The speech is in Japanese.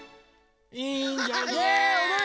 いいんじゃない？